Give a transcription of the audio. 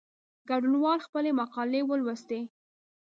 ګډونوالو خپلي مقالې ولوستې.